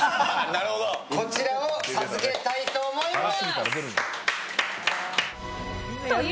こちらを授けたいと思います。